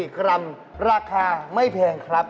๔กรัมราคาไม่แพงครับ